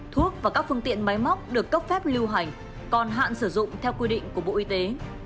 thuốc và các phương tiện máy móc được cấp phép lưu hành còn hạn sử dụng theo quy định của bộ y tế